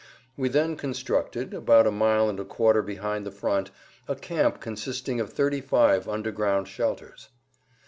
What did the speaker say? We then constructed, about a mile and a quarter behind the front, a camp consisting of thirty five underground shelters.